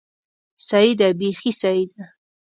سيي ده، بېخي سيي ده!